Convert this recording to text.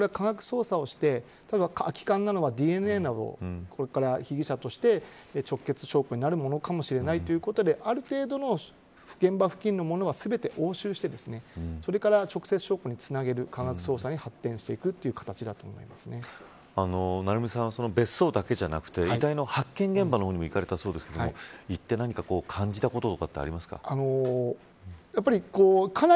これは科学捜査をして例えば、ＤＮＡなどこれから被疑者として直結証拠になるかもしれないということである程度の現場付近のものは全て押収してそれから直接証拠につなげる科学捜査に発展していく成三さん、別荘だけじゃなくて遺体の発見現場の方にも行かれたそうですが行って、何か感じたことなどありますか。